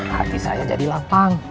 hati saya jadi lapang